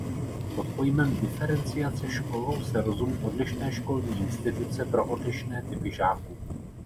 Pod pojmem diferenciace školou se rozumí odlišné školní instituce pro odlišné typy žáků.